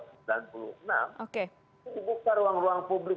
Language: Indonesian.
itu dibuka ruang publik